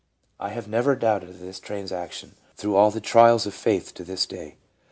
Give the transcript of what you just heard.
I have never doubted of this trans action, through all the trials of faith, to this day."